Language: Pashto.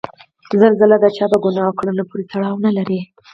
زلزله د چا په ګناه او کړنه پورې تړاو نلري.